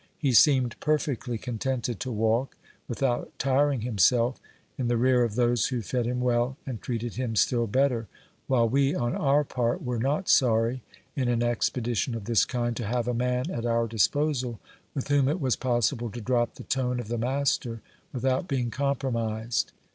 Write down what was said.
He seemed perfectly contented to walk, without tiring himself, in the rear of those who fed him well and treated him still better, while we, on our part, were not sorry, in an expedition of this kind, to have a man at our disposal with whom it was possible to drop the tone of the master without being compromised.